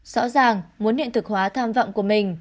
rõ ràng muốn hiện thực hóa tham vọng của mình